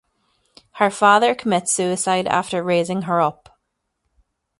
Her father commits suicide after raising her up.